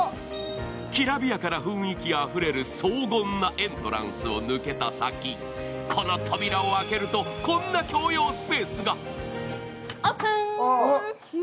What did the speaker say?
きらびやかな雰囲気あふれる荘厳なエントランスを抜けた先この扉を開けると、こんな共用スペースが。